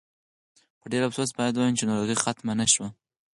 په ډېر افسوس باید ووایم چې ناروغي ختمه نه شوه.